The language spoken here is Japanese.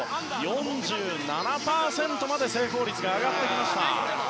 ４７％まで成功率が上がってきました。